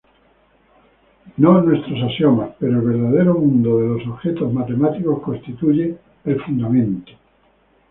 No nuestros axiomas, pero el verdadero mundo de los objetos matemáticos constituye el fundamento.